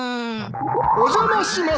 お邪魔します